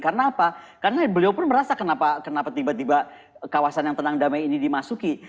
karena apa karena beliau pun merasa kenapa tiba tiba kawasan yang tenang damai ini dimasuki